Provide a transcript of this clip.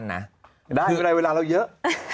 ไม่ได้เวลาเราเยอะ